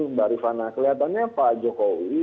mbak rifana kelihatannya pak jokowi